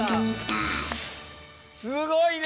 すごいね！